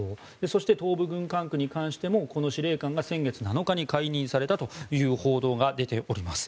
そして、東部軍管区に関してもこの司令官が先月７日に解任されたという報道が出ております。